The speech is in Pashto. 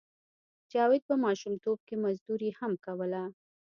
جاوید په ماشومتوب کې مزدوري هم کوله